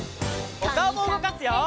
おかおもうごかすよ！